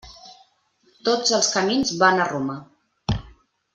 Tots els camins van a Roma.